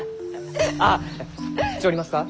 あっ知っちょりますか？